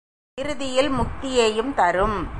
இறுதியில் முத்தியையும் தரும்.